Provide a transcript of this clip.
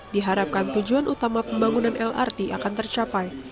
diharapkan tujuan utama pembangunan lrt akan tercapai